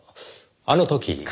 あの時。